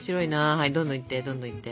はいどんどんいってどんどんいって。